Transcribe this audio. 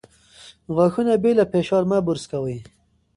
غاښونه بې له فشار مه برس کوئ.